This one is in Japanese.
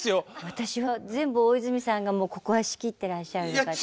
私は全部大泉さんがここは仕切ってらっしゃるのかと。